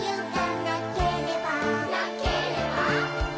「なければ」